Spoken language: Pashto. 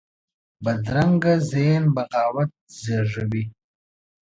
بدرنګه ذهن بغاوت زېږوي